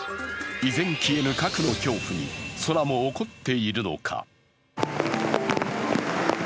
依然消えぬ核の恐怖に空も怒っているのか？